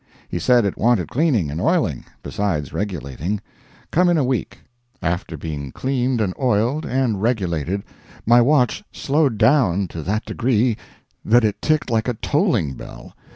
He said it wanted cleaning and oiling, besides regulating come in a week. After being cleaned and oiled, and regulated, my watch slowed down to that degree that it ticked like a tolling bell.